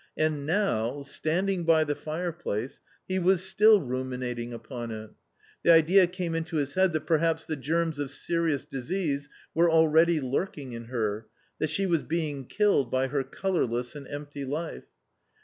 And now, standing by the fire place, he was still ruminating upon it. The idea came i nto hisjiead that perhaps the germs of serious disease were al readyTufltt ng in herT^aT^fe^as^^ingTcilTed Jjy her colourless and empty life.